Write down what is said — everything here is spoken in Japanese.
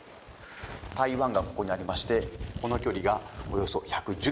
台湾がここにありましてこの距離がおよそ１１０ｋｍ。